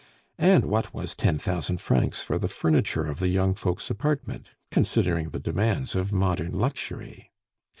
And what was ten thousand francs for the furniture of the young folks' apartment, considering the demands of modern luxury?